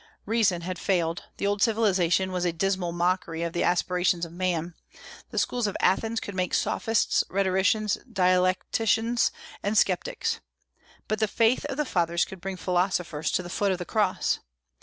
Reason had failed. The old civilization was a dismal mockery of the aspirations of man. The schools of Athens could make Sophists, rhetoricians, dialecticians, and sceptics. But the faith of the Fathers could bring philosophers to the foot of the Cross.